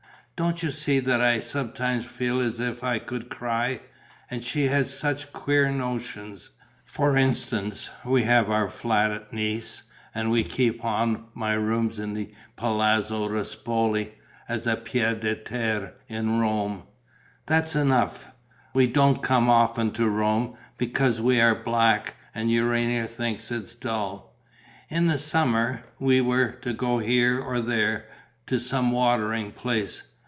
Don't you see that I sometimes feel as if I could cry? And she has such queer notions. For instance, we have our flat at Nice and we keep on my rooms in the Palazzo Ruspoli, as a pied à terre in Rome. That's enough: we don't come often to Rome, because we are 'black' and Urania thinks it dull. In the summer, we were to go here or there, to some watering place.